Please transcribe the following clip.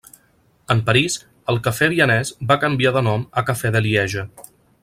En París, el café vienés va canviar de nom a café de Lieja.